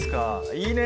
いいね！